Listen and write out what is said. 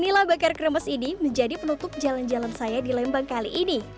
nilah bakar kremes ini menjadi penutup jalan jalan saya di lembang kali ini